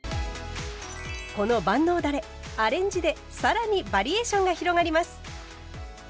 この万能だれアレンジで更にバリエーションが広がります。